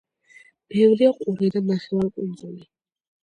ბევრია ყურე და ნახევარკუნძული.